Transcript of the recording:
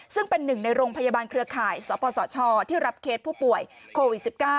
ซึ่งเป็นหนึ่งในโรงพยาบาลเครือข่ายสปสชที่รับเคสผู้ป่วยโควิด๑๙